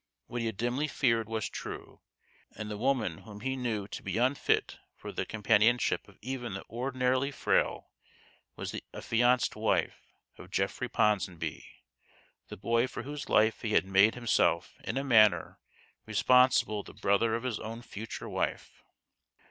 What he had dimly feared was true, and the woman whom he knew to be unfit for the companion ship of even the ordinarily frail was the affianced wife of Geoffrey Ponsonby the boy THE GHOST OF THE PAST. 177 for whose life he had made himself in a manner responsible the brother of his own future wife.